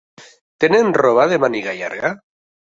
Tenen roba de màniga llarga?